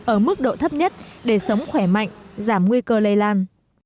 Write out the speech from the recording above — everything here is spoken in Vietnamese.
ở mức độ thấp nhất để sống khỏe mạnh giảm nguy cơ lây lan